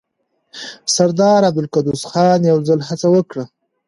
سردار عبدالقدوس خان يو ځل هڅه وکړه.